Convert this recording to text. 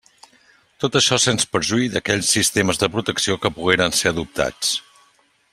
Tot això sense perjuí d'aquells altres sistemes de protecció que pogueren ser adoptats.